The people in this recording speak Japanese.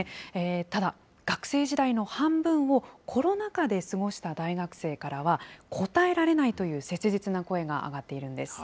ただ、学生時代の半分を、コロナ禍で過ごした大学生からは、答えられないという切実な声が上がっているんです。